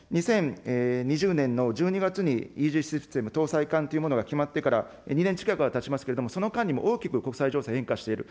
この２０２０年の１２月にイージスシステム搭載艦というものが決まってから２年近くが断ちますけれども、その間にも大きく国際情勢、変化している。